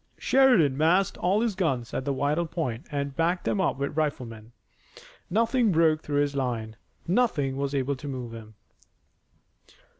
Sheridan massed all his guns at the vital point and backed them up with riflemen. Nothing broke through his line. Nothing was able to move him.